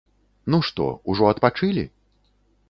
Ну, што, ужо адпачылі?